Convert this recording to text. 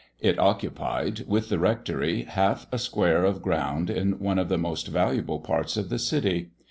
It occupied, with the rectory, half a square of ground in one of the most valuable parts of the city.